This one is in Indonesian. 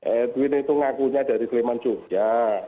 edwin itu ngakunya dari sleman jogja